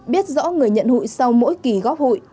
biết rõ người nhận hội sau mỗi kỳ góp hội